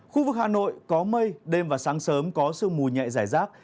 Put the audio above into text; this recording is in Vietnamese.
khu vực hà nội có mây đêm và sáng sớm có sương mù nhẹ giải rác